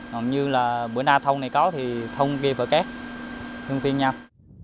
học như là bữa nay thông này có thì thông kia phải cát lưng phiên nhau